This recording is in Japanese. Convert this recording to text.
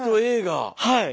はい。